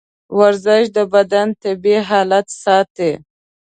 ورزش د بدن طبیعي حالت ساتي.